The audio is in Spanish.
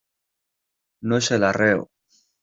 ¡ no es el arreo!...